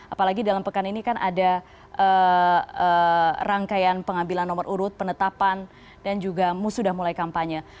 apalagi dalam pekan ini kan ada rangkaian pengambilan nomor urut penetapan dan juga sudah mulai kampanye